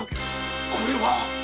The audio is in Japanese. これは？